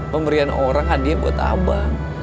pemberian orang hadiah buat apa